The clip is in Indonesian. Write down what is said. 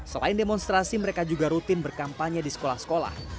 selain demonstrasi mereka juga rutin berkampanye di sekolah sekolah